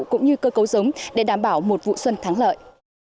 cũng như cơ cấu giống để đảm bảo một vụ xuân thắng lợi